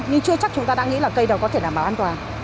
nhưng chưa chắc chúng ta đã nghĩ là cây đó có thể đảm bảo an toàn